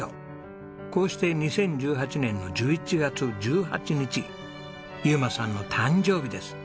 こうして２０１８年の１１月１８日祐真さんの誕生日です。